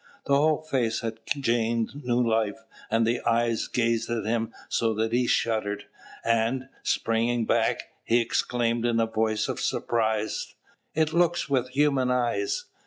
The whole face had gained new life, and the eyes gazed at him so that he shuddered; and, springing back, he exclaimed in a voice of surprise: "It looks with human eyes!"